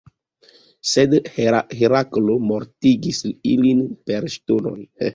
Sed Heraklo mortigis ilin per ŝtonoj.